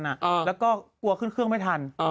แล้วก็กลัวขึ้นเครื่องไม่ทัน